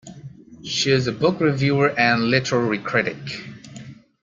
She is a book reviewer and literary critic.